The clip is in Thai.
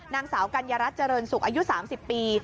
นางสาวกัญญารัฐเจริญสุขอายุ๓๐ปี